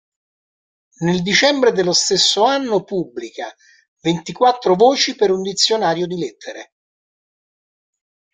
Nel dicembre dello stesso anno pubblica "Ventiquattro voci per un dizionario di lettere.